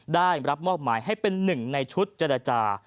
ได้รับมอบหมายให้เป็นหนึ่งในชุดเจรจา